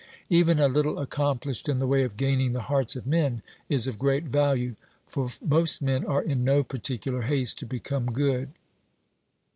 Even a little accomplished in the way of gaining the hearts of men is of great value. For most men are in no particular haste to become good.